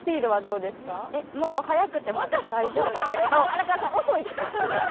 荒川さん遅いです。